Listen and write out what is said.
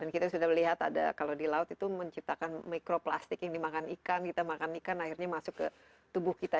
dan kita sudah melihat ada kalau di laut itu menciptakan mikroplastik yang dimakan ikan kita makan ikan akhirnya masuk ke tubuh kita